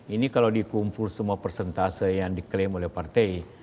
ini kalau dikumpul semua persentase yang diklaim oleh partai